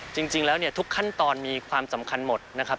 จริงแล้วเนี่ยทุกขั้นตอนมีความสำคัญหมดนะครับ